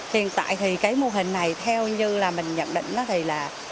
hiện tại thì cái mô hình này theo như là mình nhận định thì là